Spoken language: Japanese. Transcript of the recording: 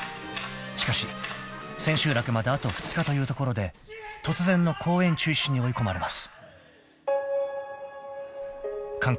［しかし千秋楽まであと２日というところで突然の公演中止に追い込まれます］